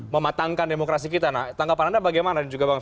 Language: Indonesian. mematangkan demokrasi kita nah tanggapan anda bagaimana